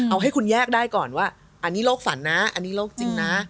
เอาให้คุณแยกได้ก่อนว่าอันนี้โรคฝันนะอันนี้โรคจริงนะ